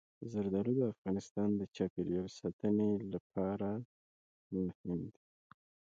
زردالو د افغانستان د چاپیریال ساتنې لپاره مهم دي.